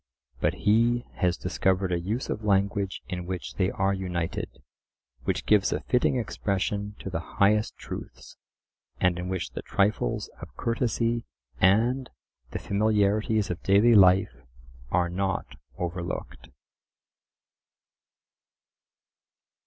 But he has discovered a use of language in which they are united; which gives a fitting expression to the highest truths; and in which the trifles of courtesy and the familiarities of daily life are not overlooked.